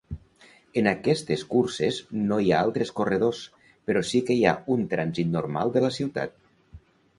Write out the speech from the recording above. En aquestes curses no hi ha altres corredors, però sí que hi ha un trànsit normal de la ciutat.